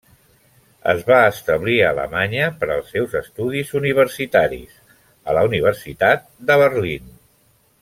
Es va establir a Alemanya per als seus estudis universitaris a la Universitat de Berlín.